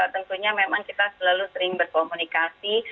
tentunya memang kita selalu sering berkomunikasi